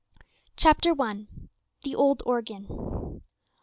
CHAPTER I. THE OLD ORGAN.